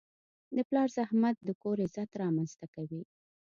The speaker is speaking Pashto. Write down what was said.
د پلار زحمت د کور عزت رامنځته کوي.